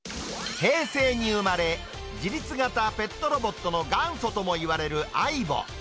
平成に生まれ、自律型ペットロボットの元祖ともいわれるＡＩＢＯ。